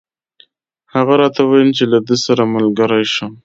هغه راته وویل چې له ده سره ملګری شم.